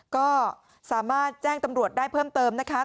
ก็สามารถแจ้งตำรวจได้เพิ่มเติมนะคะ